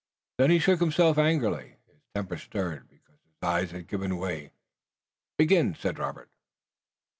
Then he shook himself angrily, his temper stirred, because his eyes had given way. "Begin!" said Robert.